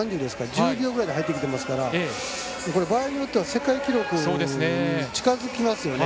１０秒ぐらいで入ってますからこれ場合によっては世界記録に近づきますよね。